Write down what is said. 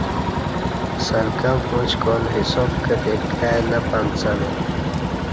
سلکں پعُچکا ل حساب کتی کائی نہ پنڅہ نہ